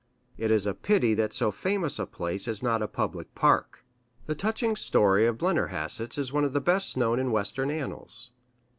It is a pity that so famous a place is not a public park. The touching story of the Blennerhassetts is one of the best known in Western annals.